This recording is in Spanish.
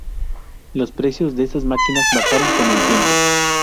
Los precios de estas máquinas bajaron con el tiempo.